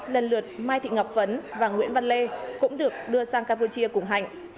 lần lượt mai thị ngọc phấn và nguyễn văn lê cũng được đưa sang campuchia cùng hạnh